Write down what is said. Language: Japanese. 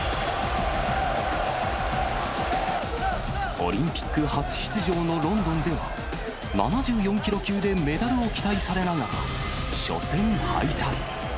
オリンピック初出場のロンドンでは、７４キロ級でメダルを期待されながら、初戦敗退。